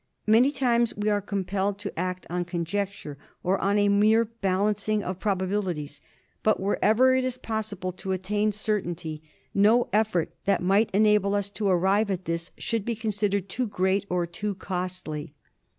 Many times we are compelled to act on conjecture or on a mere balancing of probabili ties; but wherever it is possible to attain certainty, no 126 THE SLEEPING SICKNESS. effort that might enable us to arrive at this should be considered too great or too costly.